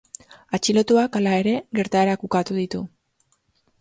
Atxilotuak, hala ere, gertaerak ukatu ditu.